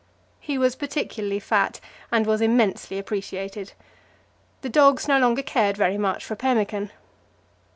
He was particularly fat, and was immensely appreciated. The dogs no longer cared very much for pemmican.